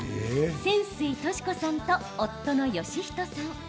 泉水淑子さんと夫の良仁さん。